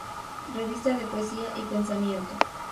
Revista de poesía y pensamiento.